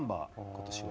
今年は。